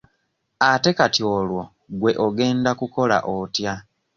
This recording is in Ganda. Ate kati olwo gwe ogenda kukola otya?